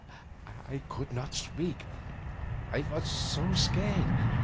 I could not speak, I was so scared.